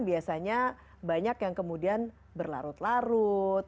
biasanya banyak yang kemudian berlarut larut